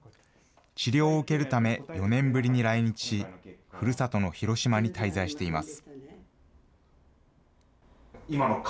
治療を受けるため、４年ぶりに来日し、ふるさとの広島に滞在しています。